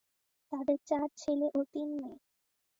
তাদের চার ছেলে ও তিন মেয়ে।